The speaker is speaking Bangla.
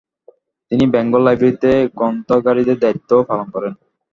তিনি বেঙ্গল লাইব্রেরিতে গ্রন্থাগারিকের দায়িত্বও পালন করেন।